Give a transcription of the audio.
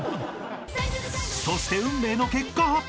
［そして運命の結果発表！］